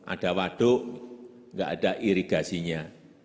ada waduk nggak ada irigasinya